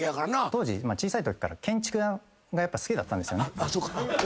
当時小さいときから建築が好きだったんですよね。